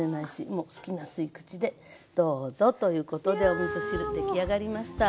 もう好きな吸い口でどうぞということでおみそ汁出来上がりました。